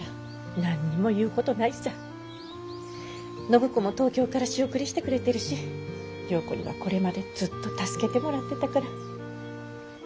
暢子も東京から仕送りしてくれてるし良子にはこれまでずっと助けてもらってたから。